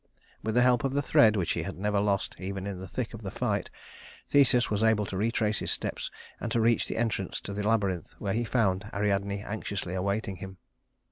With the help of the thread, which he had never lost, even in the thick of the fight, Theseus was able to retrace his steps and to reach the entrance to the labyrinth, where he found Ariadne anxiously awaiting him.